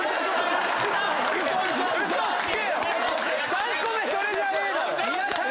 ３個目それじゃねえだろ！